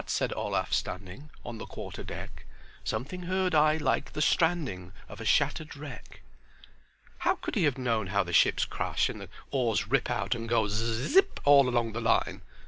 said Olaf, standing On the quarter deck, 'Something heard I like the stranding Of a shattered wreck.'" "How could he have known how the ships crash and the oars rip out and go z zzp all along the line?